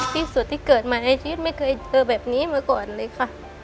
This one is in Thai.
ที่สุดที่เกิดมาในชีวิตไม่เคยเจอแบบนี้มาก่อนเลยค่ะ